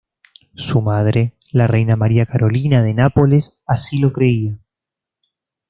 Su madre, la reina María Carolina de Nápoles así lo creía.